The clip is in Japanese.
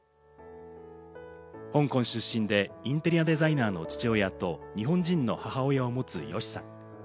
香港出身でインテリアデザイナーの父親と日本人の母親を持つＹＯＳＨＩさん。